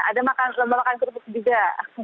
ada lomba makan kerupuk juga